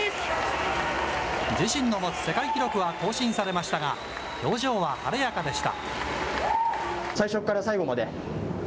自身の持つ世界記録は更新されましたが、表情は晴れやかでした。